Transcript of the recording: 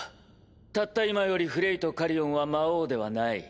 たった今よりフレイとカリオンは魔王ではない。